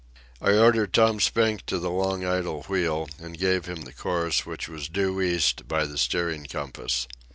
I ordered Tom Spink to the long idle wheel, and gave him the course, which was due east by the steering compass.